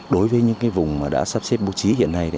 đối với những vùng đã sắp xếp bố trí hiện nay